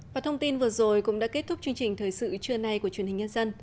và thông tin vừa rồi cũng đã kết thúc chương trình thời sự trưa nay của truyền hình nhân dân